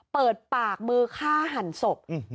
เปิดปากมือฆ่าหันศพ